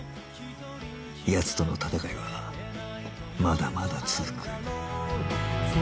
奴との戦いはまだまだ続く